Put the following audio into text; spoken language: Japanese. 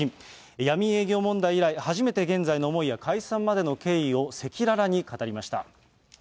闇営業問題以来、初めて現在の思いや解散までの経緯を赤裸々に語りました。